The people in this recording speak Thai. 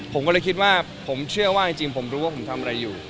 ผมก็เลยคิดว่าผมเชื่อว่าจริงผมรู้ว่าผมทำอะไรอยู่